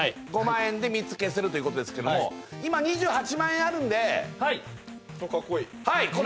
５万円で３つ消せるということですけども今２８万円あるんであっかっこいい